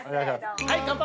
はい乾杯！